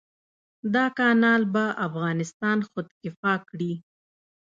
دا کانال به افغانستان خودکفا کړي.